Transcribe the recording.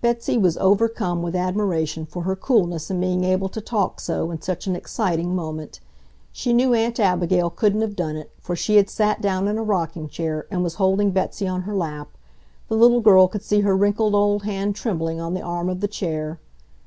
Betsy was overcome with admiration for her coolness in being able to talk so in such an exciting moment. She knew Aunt Abigail couldn't have done it, for she had sat down in a rocking chair, and was holding Betsy on her lap. The little girl could see her wrinkled old hand trembling on the arm of the chair.